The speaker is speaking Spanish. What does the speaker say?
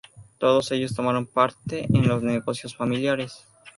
Todos ellos tomaron parte en los negocios familiares.